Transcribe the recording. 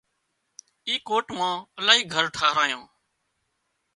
اي ڪوٽ مان الاهي گھر ٺاهرايان